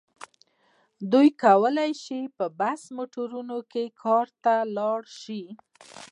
دوی کولای شي په بس موټرونو کې کار ته لاړ شي.